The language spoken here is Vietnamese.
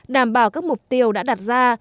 đảm bảo các mục tiêu đã đặt ra